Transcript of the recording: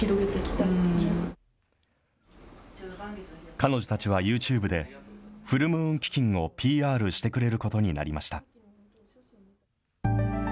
彼女たちはユーチューブで、フル・ムーン基金をＰＲしてくれることになりました。